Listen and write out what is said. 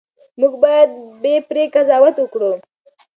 موږ باید بې پرې قضاوت وکړو.